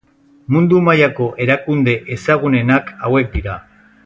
Mundu-mailako erakunde ezagunenak hauek dira.